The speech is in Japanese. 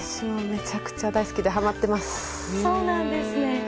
めちゃくちゃ大好きではまっています。